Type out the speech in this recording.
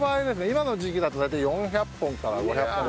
今の時期だと大体４００本から５００本。